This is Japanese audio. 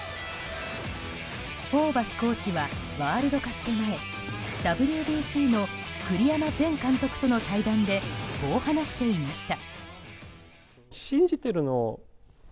ホーバスコーチはワールドカップ前ＷＢＣの栗山前監督との対談でこう話していました。